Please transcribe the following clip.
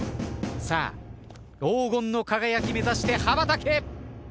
さあ黄金の輝き目指して羽ばたけ！